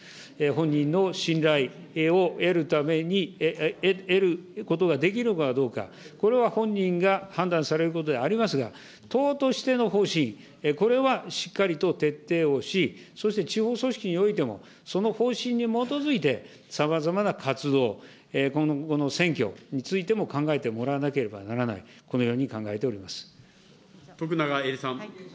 本人の信頼を得ることができるかどうか、これは本人が判断されることでありますが、党としての方針、これはしっかりと徹底をし、そして地方組織においても、その方針に基づいてさまざまな活動、今後の選挙についても考えてもらわなければならない、徳永エリさん。